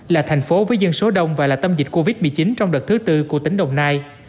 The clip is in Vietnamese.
là thành phố với dân số đông và là tâm dịch covid một mươi chín trong đợt thứ tư của tỉnh đồng nai